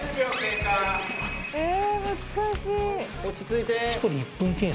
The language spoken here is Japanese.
落ち着いて。